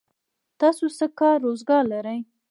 تاسو څه کار روزګار لرئ؟